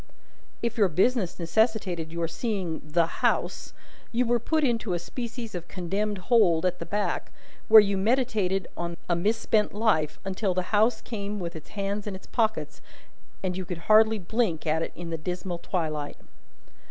If your business necessitated your seeing "the House," you were put into a species of Condemned Hold at the back, where you meditated on a misspent life, until the House came with its hands in its pockets, and you could hardly blink at it in the dismal twilight.